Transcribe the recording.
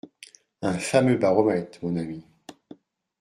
«Un fameux baromètre, mon ami.